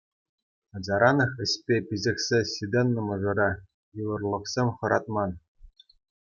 Ачаранах ӗҫпе пиҫӗхсе ҫитӗннӗ мӑшӑра йывӑрлӑхсем хӑратман.